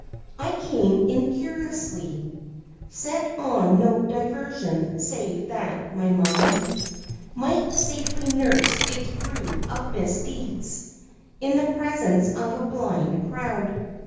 I came incuriously Set on no diversion save that my mind Might safely nurse its brood of misdeeds In the presence of a blind crowd.